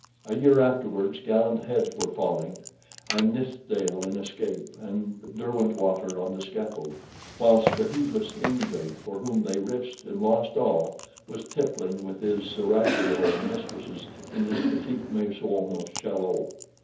A year afterwards gallant heads were falling, and Nithsdale in escape, and Derwentwater on the scaffold; whilst the heedless ingrate, for whom they risked and lost all, was tippling with his seraglio of mistresses in his petite maison of Chaillot.